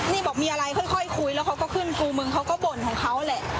นี่บอกมีอะไรค่อยคุยแล้วเขาก็ขึ้นกูมึงเขาก็บ่นของเขาแหละ